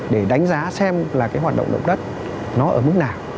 để đánh giá xem là cái hoạt động động đất nó ở mức nào